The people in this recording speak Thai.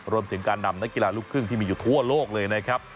รวมถึงการนำนักกีฬาลูกครึ่งที่มีอยู่ทั่วโลกเลยนะครับ